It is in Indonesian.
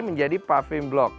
menjadi puffing block